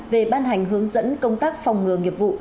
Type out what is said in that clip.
về ban hành hướng dẫn công tác phòng ngừa nghiệp vụ